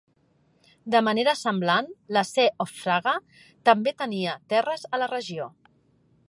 De manera semblant, la Sé of Braga també tenia terres a la regió.